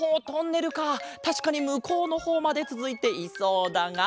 たしかにむこうのほうまでつづいていそうだが。